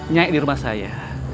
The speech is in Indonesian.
nyai di rumah saya